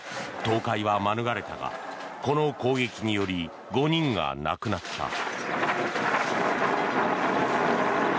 倒壊は免れたが、この攻撃により５人が亡くなった。